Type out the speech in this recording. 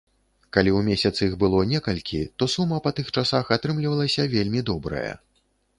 Калі ў месяц іх было некалькі, то сума па тых часах атрымлівалася вельмі добрая.